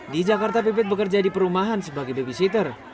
di jakarta pipit bekerja di perumahan sebagai babysitter